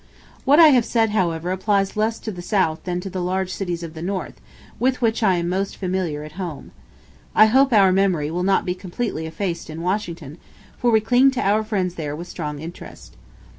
What I have said, however, applies less to the South than to the large cities of the North, with which I am most familiar at home. I hope our memory will not be completely effaced in Washington, for we cling to our friends there with strong interest.